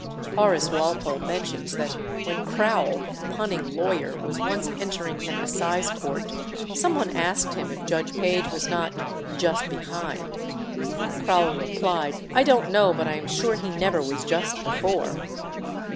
Horace Walpole mentions that when Crowle, the punning lawyer, was once entering an assize court, some one asked him if Judge Page was not "just behind." Crowle replied, "I don't know, but I am sure he never was just before."